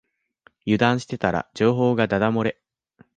油断してたら情報がだだ漏れ